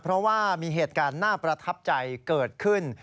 เพราะว่ามีเหตุการณ์น่าประทับใจเกิดขึ้น